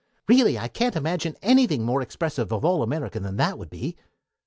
Really I can't imagine anything more expressive of all America than that would be.